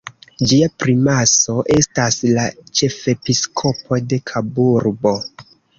Ĝia primaso estas la ĉefepiskopo de Kaburbo.